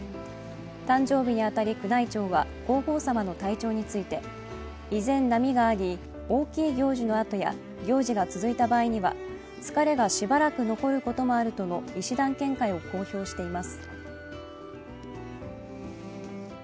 誕生日に当たり、宮内庁は皇后さまの体調について依然波があり、大きい行事のあとや行事が続いた場合には疲れがしばらく残ることもあるとの医師団見解を公表しています。